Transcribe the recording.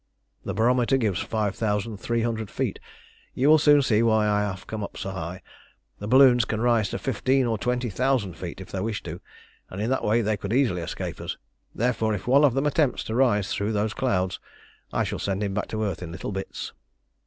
"The barometer gives five thousand three hundred feet. You will soon see why I have come up so high. The balloons can rise to fifteen or twenty thousand feet, if they wish to, and in that way they could easily escape us; therefore, if one of them attempts to rise through those clouds, I shall send him back to earth in little bits."